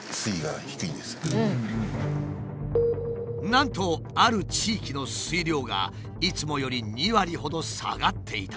なんとある地域の水量がいつもより２割ほど下がっていた。